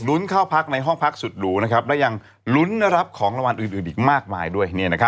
เข้าพักในห้องพักสุดหรูและยังลุ้นรับของรางวัลอื่นอีกมากมายด้วย